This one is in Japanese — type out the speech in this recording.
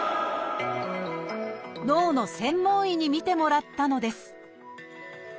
脳の専門医に診てもらったのです。